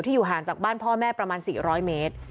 อยู่ห่างจากบ้านพ่อแม่ประมาณ๔๐๐เมตร